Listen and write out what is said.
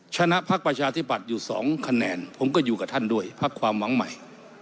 ชนะพักประชาธิบัติอยู่๒คะแนนผมก็อยู่กับท่านด้วยพักความหวังใหม่